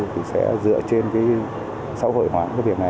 thì sẽ dựa trên cái xã hội hóa cái việc này